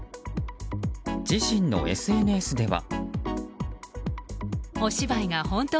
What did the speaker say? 自身のＳＮＳでは。